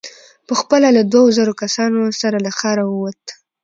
په خپله له دوو زرو کسانو سره له ښاره ووت.